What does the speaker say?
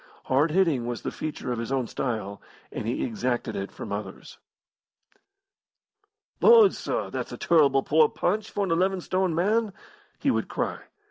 Hard hitting was the feature of his own style, and he exacted it from others. "Lord, sir, that's a turble poor poonch for an eleven stone man!" he would cry.